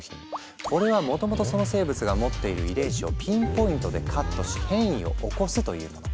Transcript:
これはもともとその生物が持っている遺伝子をピンポイントでカットし変異を起こすというもの。